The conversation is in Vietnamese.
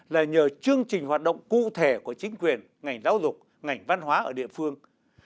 là nhờ chương trình hoạt động cụ thể của chính quyền ngành giáo dục ngành văn hóa ở địa phương